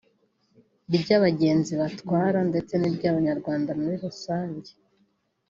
iry’abagenzi batwara ndetse n’iry’abanyarwanda muri rusange